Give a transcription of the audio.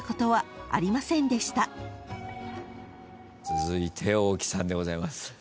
続いて大木さんでございます。